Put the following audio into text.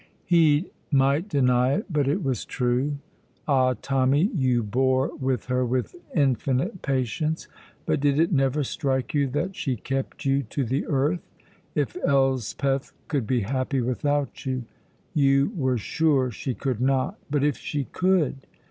He might deny it, but it was true. Ah, Tommy, you bore with her with infinite patience, but did it never strike you that she kept you to the earth? If Elspeth could be happy without you! You were sure she could not, but if she could!